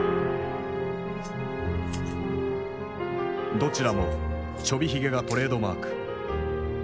どちらもチョビひげがトレードマーク。